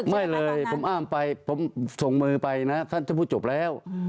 ไม่เลยผมอ้ามไปผมส่งมือไปนะท่านจะพูดจบแล้ว